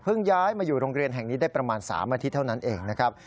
ย้ายมาอยู่โรงเรียนแห่งนี้ได้ประมาณ๓อาทิตย์เท่านั้นเองนะครับ